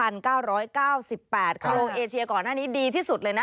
โลเอเชียก่อนหน้านี้ดีที่สุดเลยนะ